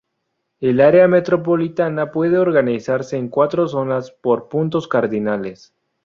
El área metropolitana puede organizarse en cuatro zonas por puntos cardinales.